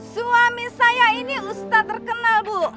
suami saya ini ustadz terkenal bu